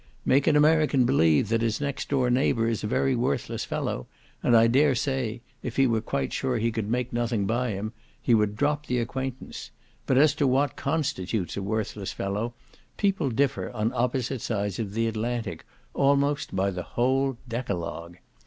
Make an American believe that his next door neighbour is a very worthless fellow, and I dare say (if he were quite sure he could make nothing by him) he would drop the acquaintance; but as to what constitutes a worthless fellow, people differ on the opposite sides of the Atlantic, almost by the whole decalogue.